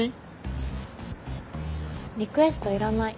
リクエストいらない。